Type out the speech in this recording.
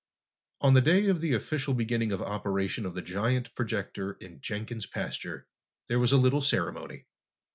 On the day of the official beginning of operation of the giant projector in Jenkin's pasture, there was a little ceremony.